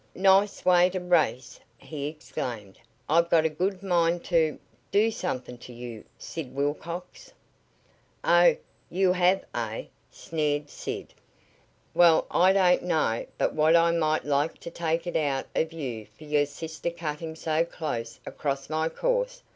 "Nice way to race!" he exclaimed. "I've got a good mind to do something to you, Sid Wilcox!" "Oh, you have, eh?" sneered Sid. "Well, I don't know but what I might like to take it out of you for your sister cutting so close across my course.